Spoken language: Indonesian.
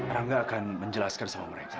rangga akan menjelaskan sama mereka